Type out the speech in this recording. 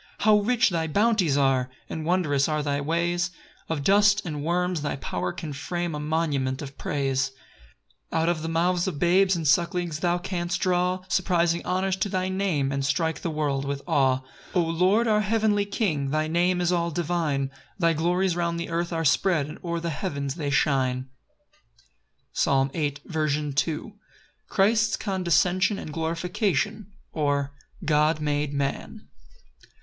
6 How rich thy bounties are! And wondrous are thy ways: Of dust and worms thy power can frame A monument of praise. 7 [Out of the mouths of babes And sucklings thou canst draw Surprising honours to thy name, And strike the world with awe.] 8 O Lord, our heavenly King, Thy name is all divine: Thy glories round the earth are spread, And o'er the heavens they shine. Psalm 8:2. C. M. Christ's condescension and glorification; or, God made man.